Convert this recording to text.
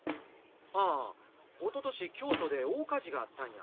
あぁ一昨年京都で大火事があったんや。